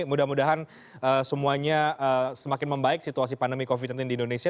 mudah mudahan semuanya semakin membaik situasi pandemi covid sembilan belas di indonesia